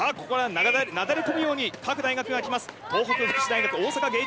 なだれ込むように各大学が来ます。